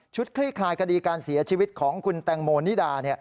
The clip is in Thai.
คลี่คลายคดีการเสียชีวิตของคุณแตงโมนิดา